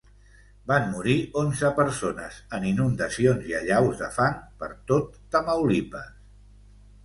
Van morir onze persones en inundacions i allaus de fang per tot Tamaulipas.